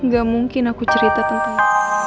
gak mungkin aku cerita tentang